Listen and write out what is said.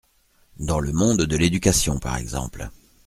Dans le monde de l’éducation par exemple.